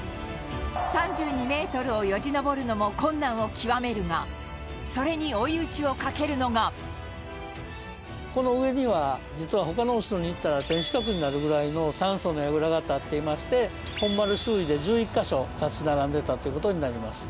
３２ｍをよじ登るのも困難を極めるがそれに追い打ちをかけるのがこの上には、実は他のお城に行ったら天守閣になるぐらいの三層の櫓が立っていまして本丸周囲で１１カ所立ち並んでたっていう事になります。